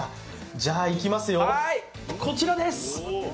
じゃあ、行きますよこちらです！